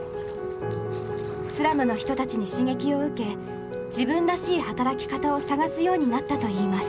スラムの人たちに刺激を受け自分らしい働き方を探すようになったといいます。